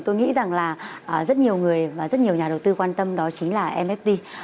tôi nghĩ rằng là rất nhiều người và rất nhiều nhà đầu tư quan tâm đó chính là mfp